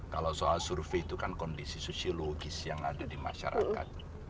kalau soal survei itu kan kondisi sosiologis yang ada di masyarakat